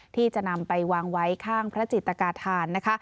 ที่จะนำไปวางไว้ข้างพระจิตกาธานนะคะ